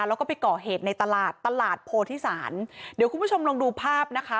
แล้วก็ไปก่อเหตุในตลาดตลาดโพธิศาลเดี๋ยวคุณผู้ชมลองดูภาพนะคะ